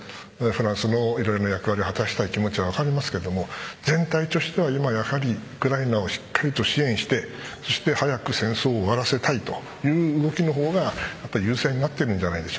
フランスもいろいろな役割を果たしたい気持ちも分かりますけど全体としては今ウクライナをしっかりと支援して早く戦争を終わらせたいという動きの方が優勢になっていると思います。